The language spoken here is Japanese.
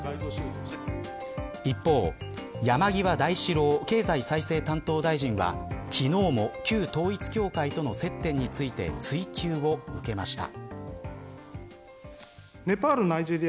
一方、山際大志郎経済再生担当大臣は昨日も旧統一教会との接点について追及を受けました。